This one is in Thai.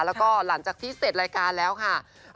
แล้วก็หลังจากที่เสร็จรายการแล้วค่ะ